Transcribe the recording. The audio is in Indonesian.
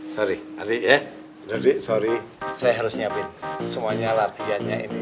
sorry adik ya jadi sorry saya harus nyiapin semuanya latihannya ini